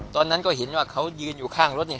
ตอนนั้นก็เห็นว่าเขายืนอยู่ข้างรถเนี่ย